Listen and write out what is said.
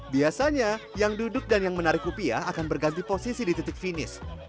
biasanya yang duduk dan yang menarik rupiah akan berganti posisi di titik finish